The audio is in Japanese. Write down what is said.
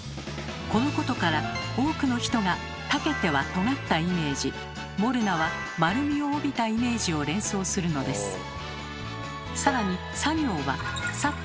このことから多くの人が「タケテ」はとがったイメージ「モルナ」は丸みを帯びたイメージを連想するのです。